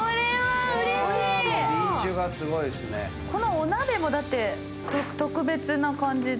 このお鍋も特別な感じで。